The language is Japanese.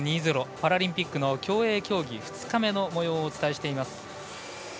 パラリンピックの競泳競技２日目のもようをお伝えしています。